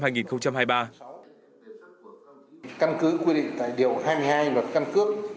căn cứ quy định tại điều hai mươi hai luật căn cước dự kiến sẽ tích hợp năm giấy tờ và thẻ căn cước